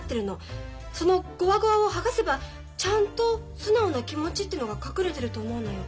そのゴワゴワを剥がせばちゃんと素直な気持ちっていうのが隠れてると思うのよ。